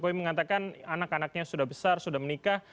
jokowi mengatakan anak anaknya sudah besar sudah menikah